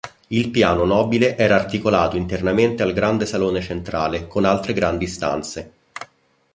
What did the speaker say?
Il piano nobile era articolato internamente al grande salone centrale, con altre grandi stanze.